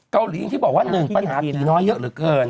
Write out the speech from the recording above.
เกาหลีที่บอกว่า๑ปัญหาผีน้อยเยอะเหลือเกิน